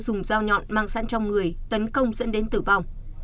dùng dao nhọn mang sẵn trong người tấn công dẫn đến tử vong